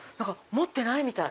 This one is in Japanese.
持ってないみたい。